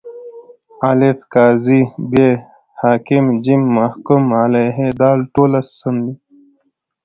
الف: قاضي ب: حاکم ج: محکوم علیه د: ټوله سم دي.